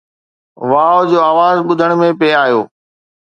واءُ جو آواز ٻڌڻ ۾ پئي آيو